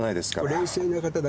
冷静な方だ。